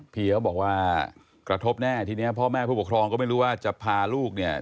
พี่เขาบอกว่ากระทบแน่ทีนี้พ่อแม่ผู้ปกครองก็ไม่รู้ว่าจะพาลูกเนี่ย